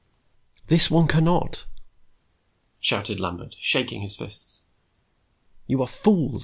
"This one cannot," shouted Lambert, shaking his fists. "You are fools!"